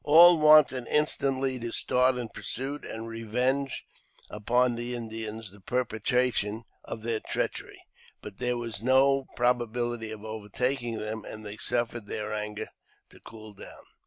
All wanted instantly to start in pursuit, and revenge upon the Indians the perpetration of their treachery; but there was no pro bability of overtaking them, and they suffered their anger to cool down.